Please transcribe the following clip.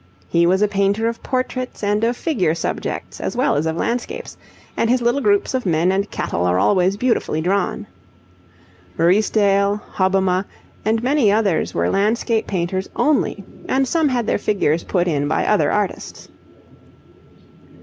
He was a painter of portraits and of figure subjects as well as of landscapes, and his little groups of men and cattle are always beautifully drawn. Ruysdael, Hobbema, and many others were landscape painters only, and some had their figures put in by other artists.